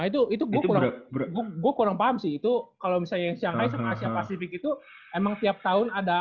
itu itu gue kurang gue kurang paham sih itu kalau misalnya yang shanghai sama asia pasifik itu emang tiap tahun ada